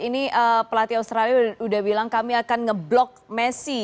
ini pelatih australia udah bilang kami akan ngeblok messi